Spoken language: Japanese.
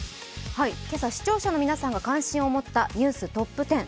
今朝視聴者の皆さんが関心を持ったニューストップ１０。